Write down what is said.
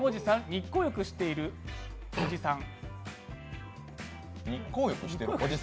日光浴してるおじさん？